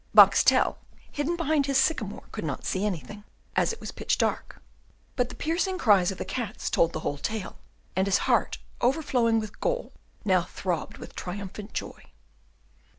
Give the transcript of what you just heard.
Boxtel, hidden behind his sycamore, could not see anything, as it was pitch dark; but the piercing cries of the cats told the whole tale, and his heart overflowing with gall now throbbed with triumphant joy.